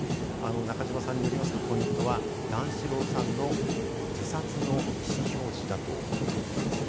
中島さんによりますと、ポイントは段四郎さんの自殺の意思表示だということですね。